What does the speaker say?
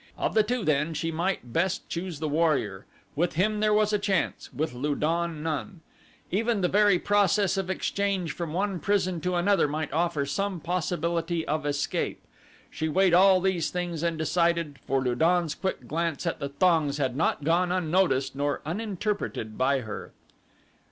Of the two then she might best choose the warrior. With him there was a chance with Lu don, none. Even the very process of exchange from one prison to another might offer some possibility of escape. She weighed all these things and decided, for Lu don's quick glance at the thongs had not gone unnoticed nor uninterpreted by her.